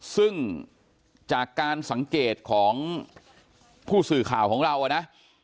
ซึ่งจากการสังเกตของผู้สื่อข่าวของเรานะ